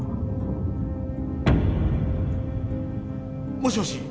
もしもし？